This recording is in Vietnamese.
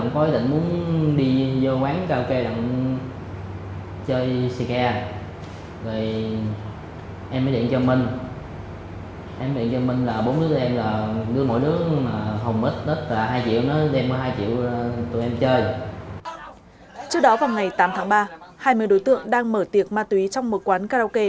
trước đó vào ngày tám tháng ba hai mươi đối tượng đang mở tiệc ma túy trong một quán karaoke